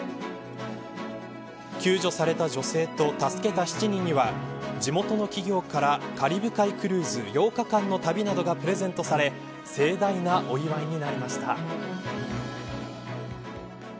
救助された女性と助けた７人には地元の企業からカリブ海クルーズ８日間の旅などがプレゼントされ盛大なお祝いになりました。